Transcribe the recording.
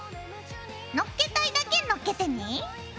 のっけたいだけのっけてね。